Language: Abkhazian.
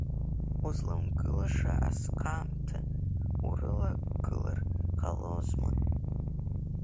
Узламгылаша асҟаамҭа урылагылар ҟалозма…